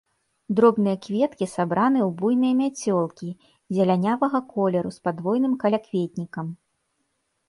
Дробныя кветкі сабраны ў буйныя мяцёлкі, зелянявага колеру, з падвойным калякветнікам.